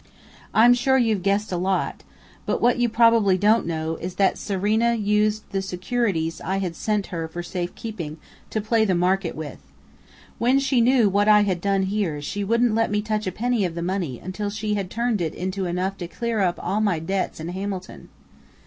"I'm sure you've guessed a lot, but what you probably don't know is that Serena used the securities I had sent her for safe keeping, to play the market with. When she knew what I had done here, she wouldn't let me touch a penny of the money until she had turned it into enough to clear up all my debts in Hamilton....